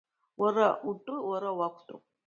Уара утәы уара уақәтәоуп.